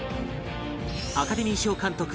アカデミー賞監督